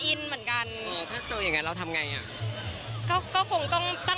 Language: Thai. อู้งิอินกันหมดฮะ